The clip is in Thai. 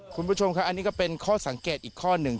คุณผู้ชมครับอันนี้ก็เป็นข้อสังเกตอีกข้อหนึ่ง